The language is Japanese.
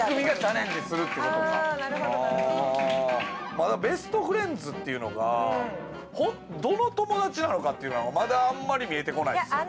まだベストフレンズっていうのがどの友達なのかっていうのがまだあんまり見えてこないですよね。